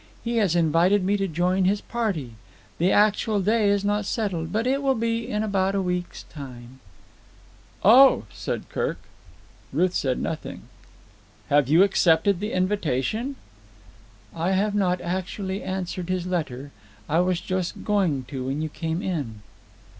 He has invited me to join his party. The actual day is not settled, but it will be in about a week's time." "Oh!" said Kirk. Ruth said nothing. "Have you accepted the invitation?" "I have not actually answered his letter. I was just going to when you came in."